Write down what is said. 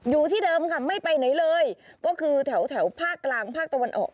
อยู่ที่เดิมค่ะไม่ไปไหนเลยก็คือแถวภาคกลางภาคตะวันออก